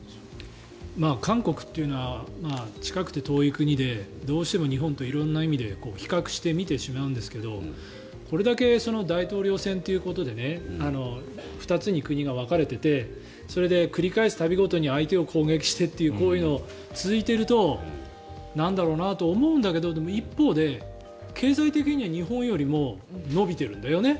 韓国というのは近くて遠い国でどうしても日本と色んな意味で比較して見てしまうんですがこれだけ大統領選ということで２つに国が分かれていてそれで繰り返す度ごとに相手を攻撃してというのでこういうのが続いているとなんだろうなと思いますけどでも、一方で経済的には日本よりも伸びてるんだよね。